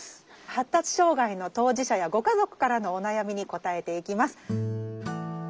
発達障害の当事者やご家族からのお悩みに答えていきます。